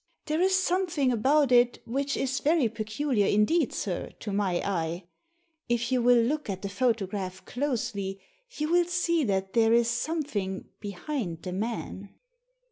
" There is something about it which is very peculiar indeed, sir, to my eye. If you will look at the photo graph closely, you will see that there is something behind the man."